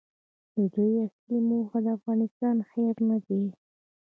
د دوی اصلي موخه د افغانستان خیر نه دی.